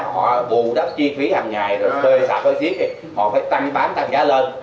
họ bù đắp chi phí hàng ngày rồi xây xạp xây chiếc họ phải tăng bán tăng giá lên